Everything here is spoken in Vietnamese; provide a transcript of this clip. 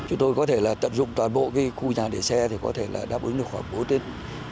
chúng tôi có thể tận dụng toàn bộ khu nhà để xe thì có thể đáp ứng được khoảng bốn tên